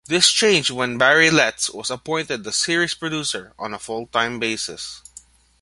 This changed when Barry Letts was appointed the series' producer on a full-time basis.